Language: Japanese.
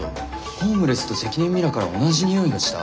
ホームレスと関根ミラから同じ匂いがした？